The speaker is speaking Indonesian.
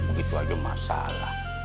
nah begitu aja masalah